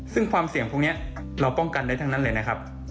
ซึ่งความเสี่ยงพวกนี้เราป้องกันได้ทั้งนั้นเลยนะครับ